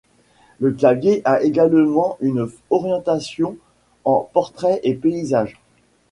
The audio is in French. Le clavier a également une orientation en portrait et paysage.